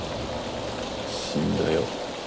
死んだよ。